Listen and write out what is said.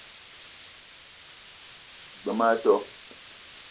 G-beu ma a do